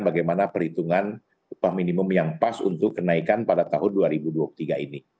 bagaimana perhitungan upah minimum yang pas untuk kenaikan pada tahun dua ribu dua puluh tiga ini